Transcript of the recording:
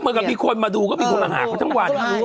เหมือนกับมีคนมาดูก็มีคนมาหาเขาทั้งวัน